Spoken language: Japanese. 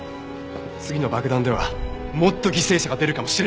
次の爆弾ではもっと犠牲者が出るかもしれないんだ。